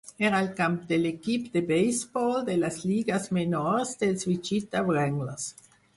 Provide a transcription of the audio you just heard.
Era el camp de l'equip de beisbol de les lligues menors dels Wichita Wranglers.